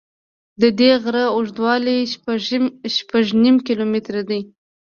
د دې غره اوږدوالی شپږ نیم کیلومتره دی.